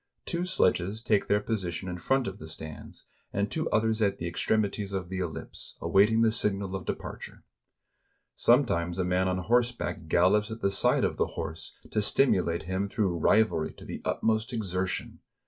Two sledges take their position in front of the stands, and two others at the extremities 238 THE RACES ON THE NEVA RIVER of the ellipse, awaiting the signal of departure. Some times a man on horseback gallops at the side of the horse to stimulate him through rivalry to the utmost exertion.